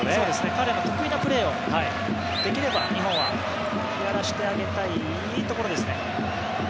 彼の得意なプレーをできれば日本はやらせてあげたいところですね。